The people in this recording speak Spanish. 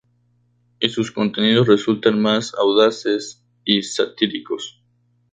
Y sus contenidos resultan más audaces y satíricos.